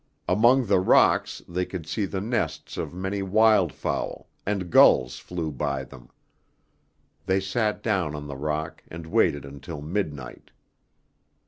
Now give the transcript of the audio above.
Among the rocks they could see the nests of many wild fowl, and gulls flew by them. They sat down on the rock and waited until midnight.